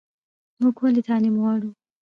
موږ ولې تعلیم غواړو؟